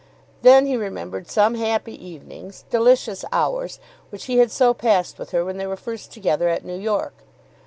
Then he remembered some happy evenings, delicious hours, which he had so passed with her, when they were first together at New York.